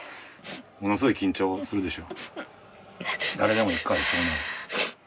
ものすごい緊張するでしょ。